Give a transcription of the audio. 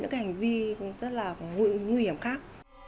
những cái hành vi rất là nguy hiểm khác